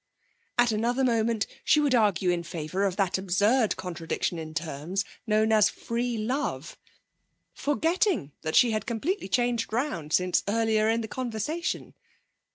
At another moment she would argue in favour of that absurd contradiction in terms known as free love, forgetting that she had completely changed round since earlier in the conversation.